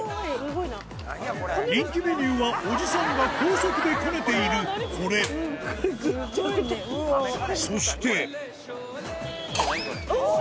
人気メニューはおじさんが高速でこねているこれそしておぉ！